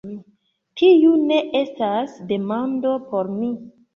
Tiu ne estas demando por mi.